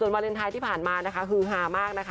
วาเลนไทยที่ผ่านมานะคะฮือฮามากนะคะ